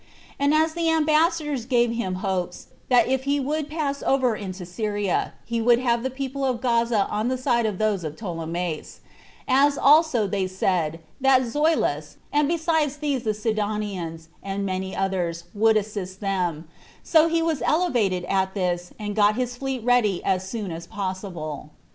And as the ambassadors gave him hopes, that if he would pass over into Syria, he would have the people of Gaza on the side of those of Ptolemais; as also they said, that Zoilus, and besides these the Sidonians, and many others, would assist them; so he was elevated at this, and got his fleet ready as soon as possible.